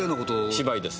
芝居です。